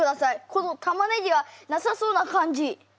この玉ねぎがなさそうな感じ！